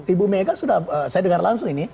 ibu mega sudah saya dengar langsung ini